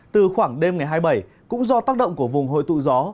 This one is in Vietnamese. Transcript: từ khoảng đêm ngày hai mươi bảy cũng do tác động của vùng hội tụ gió